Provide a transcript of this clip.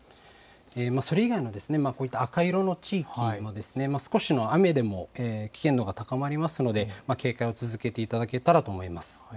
それ以外のこういった赤色の地域も、少しの雨でも危険度が高まりますので、警戒を続けていただけたらと思います。